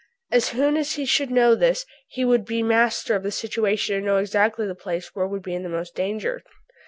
As soon as he should know this he would be master of the situation and know exactly the place which would be in the most danger.